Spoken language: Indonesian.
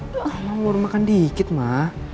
kamu udah makan dikit ma